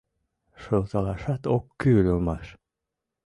— Шылталашат ок кӱл улмаш.